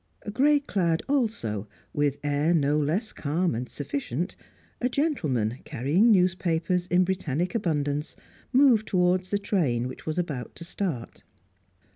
Grey clad also, with air no less calm and sufficient, a gentleman carrying newspapers in Britannic abundance moved towards the train which was about to start.